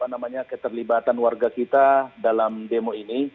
namanya keterlibatan warga kita dalam demo ini